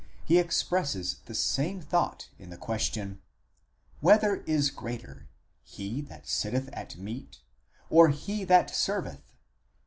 27) he expresses the same thought in the question: Whether is greater, he that sitteth at meat or he that that serveth?